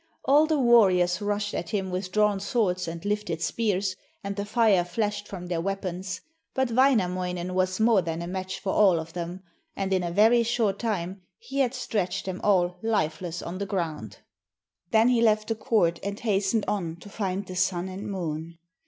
All the warriors rushed at him with drawn swords and lifted spears, and the fire flashed from their weapons. But Wainamoinen was more than a match for all of them, and in a very short time he had stretched them all lifeless on the ground. Then he left the court and hastened on to find the Sun and Moon.